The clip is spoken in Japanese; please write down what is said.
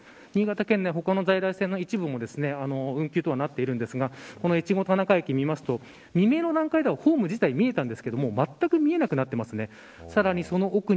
新潟県内、他の在来線の一部も運休となっていますがこの越後田中駅を見ると未明の段階ではホーム自体見えたんですがもう、まったく見えなくなっています。